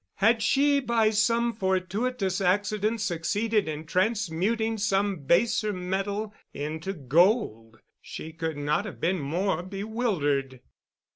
Had she by some fortuitous accident succeeded in transmuting some baser metal into gold, she could not have been more bewildered.